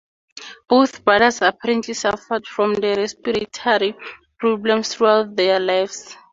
Both brothers apparently suffered from respiratory problems throughout their lives.